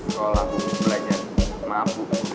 sekolah mau belajar maaf bu